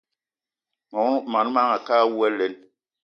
Mon manga a ke awou alen!